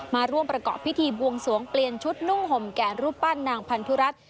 มาร่วมประกอบพิธีบวงสวงเปลี่ยนชุดนุ่งห่มแก่รูปปั้นนางพันธุรัฐ